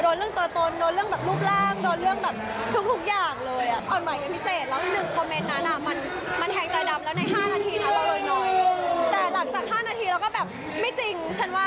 โดนเรื่องตัวตนโดนเรื่องแบบรูปร่างโดนเรื่องแบบทุกอย่างเลย